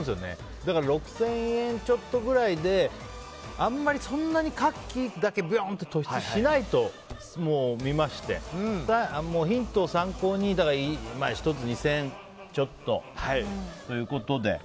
だから６０００円ちょっとくらいでそんなにカキだけ突出しないと見ましてヒントを参考に、１つ２０００円ちょっとということで。